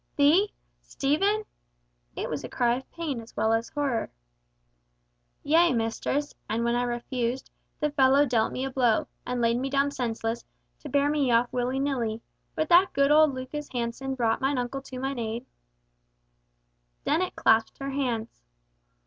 "Thee! Stephen!" It was a cry of pain as well as horror. "Yea, mistress; and when I refused, the fellow dealt me a blow, and laid me down senseless, to bear me off willy nilly, but that good old Lucas Hansen brought mine uncle to mine aid—" Dennet clasped her hands.